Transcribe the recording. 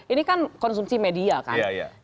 ini kan konsumsi media kan